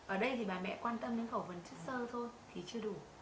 ở đây thì bà mẹ quan tâm đến khẩu phần chất sơ thôi thì chưa đủ